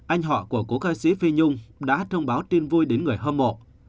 anh họ của cố ca sĩ phi nhung đã thông báo tin vui đến người hâm mộ